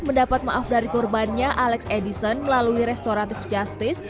mendapat maaf dari korbannya alex edison melalui restoratif justice